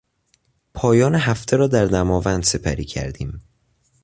پایان هفته را در دماوند سپری کردیم.